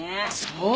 そう！